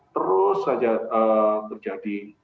terus saja terjadi